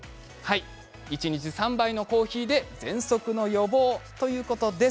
一日３杯のコーヒーでぜんそくの予防ということです。